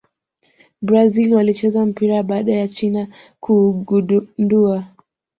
brazil walicheza mpira baada ya china kuugundua